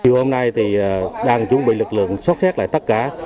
chiều hôm nay thì đang chuẩn bị lực lượng xót xét lại tất cả